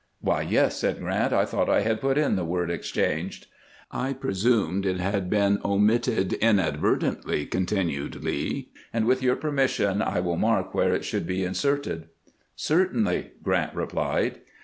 " Why, yes," said Grant ;" I thought I had put in the word ' exchanged.' "" I presumed it had been omitted inadvertently," con tinued Lee; "and, with your permission, I will mark where it should be inserted." " Certainly," Grant replied.